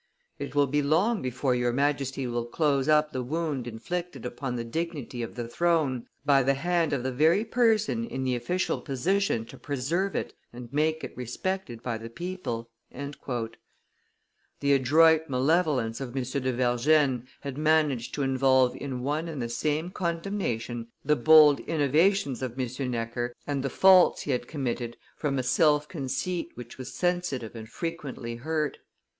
It will be long before your Majesty will close up the wound inflicted upon the dignity of the throne by the hand of the very person in the official position to preserve it and make it respected by the people." The adroit malevolence of M. de Vergennes had managed to involve in one and the same condemnation the bold innovations of M. Necker and the faults he had committed from a self conceit which was sensitive and frequently hurt.